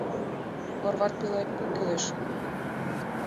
Орват пеле пу кӱлеш.